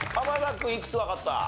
君いくつわかった？